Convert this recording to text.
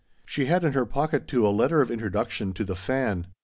She had in her pocket, too, a letter of intro duction to T7ie Fern.